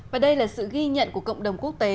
và đây là sự ghi nhận của cộng đồng quốc tế